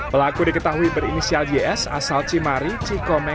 pelaku diketahui berinisial js asal cimari cikomeng